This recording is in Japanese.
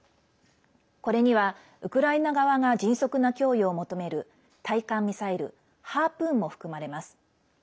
これには、ウクライナ側が迅速な供与を求める対艦ミサイル「ハープーン」も含まれます。